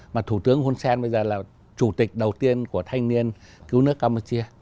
mà thủ tướng hun sen bây giờ là chủ tịch đầu tiên của thanh niên cứu nước campuchia